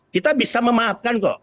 kita bisa memaafkan kok